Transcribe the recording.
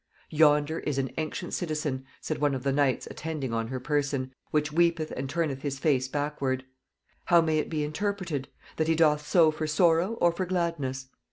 "'Yonder is an ancient citizen,' said one of the knights attending on her person, 'which weepeth and turneth his face backward: How may it be interpreted? that he doth so for sorrow or for gladness?'